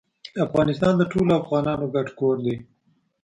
افغانستان د ټولو افغانانو ګډ کور دی